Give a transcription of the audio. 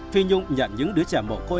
phi nhung nhận những đứa trẻ mổ côi